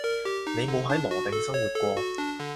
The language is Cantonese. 你冇喺羅定生活過